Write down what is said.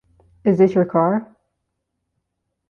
Is this your car?